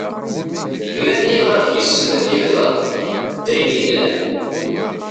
Ma nniɣ-ak yessen ad yehder, d ayen yellan.